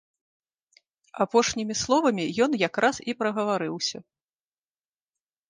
Апошнімі словамі ён якраз і прагаварыўся.